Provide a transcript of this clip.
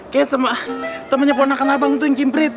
kayaknya temennya ponakan abang tuh yang ciprit